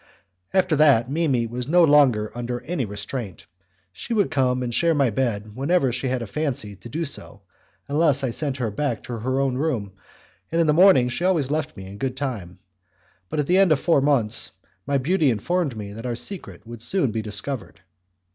After that, Mimi was no longer under any restraint, she would come and share my bed whenever she had a fancy to do so, unless I sent her back to her own room, and in the morning she always left me in good time. But at the end of four months my beauty informed me that our secret would soon be discovered.